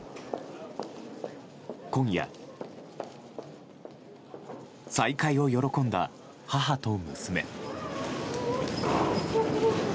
今夜、再会を喜んだ母と娘。